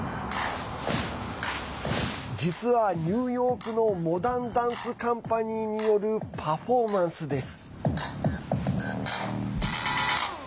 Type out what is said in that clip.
実はニューヨークのモダンダンスカンパニーによるパフォーマンスです。